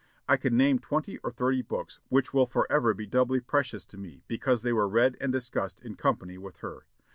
I can name twenty or thirty books which will forever be doubly precious to me because they were read and discussed in company with her....